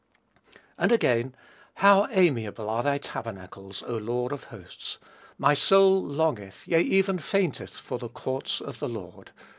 And again, "How amiable are thy tabernacles, O Lord of hosts! My soul longeth, yea, even fainteth, for the courts of the Lord."